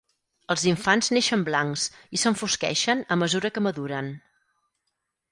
Els infants neixen blancs i s'enfosqueixen a mesura que maduren.